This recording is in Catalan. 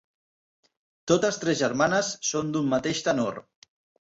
Totes tres germanes són d'un mateix tenor.